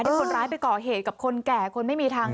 คนร้ายไปก่อเหตุกับคนแก่คนไม่มีทาง